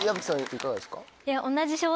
いかがですか？